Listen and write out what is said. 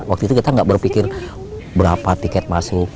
waktu itu kita nggak berpikir berapa tiket masuk